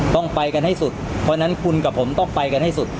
ต้องไปกันให้สุดเพราะฉะนั้นคุณกับผมต้องไปกันให้สุด